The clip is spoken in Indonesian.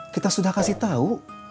kita sudah kasih tau